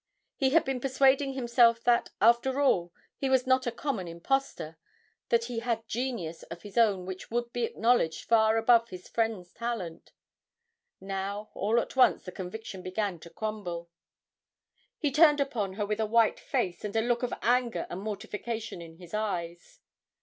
He had been persuading himself that, after all, he was not a common impostor, that he had genius of his own which would be acknowledged far above his friend's talent; now all at once the conviction began to crumble. He turned upon her with a white face and a look of anger and mortification in his eyes.